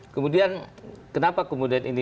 kemudian kenapa kemudian ini